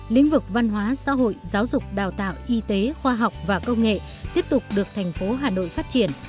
lĩnh vực văn hóa xã hội giáo dục đào tạo y tế khoa học và công nghệ tiếp tục được thành phố hà nội phát triển